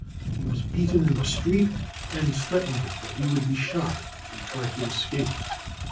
He was beaten in the street, and threatened that he would be shot if he tried to escape.